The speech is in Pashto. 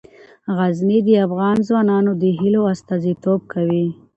غزني د افغان ځوانانو د هیلو استازیتوب کوي.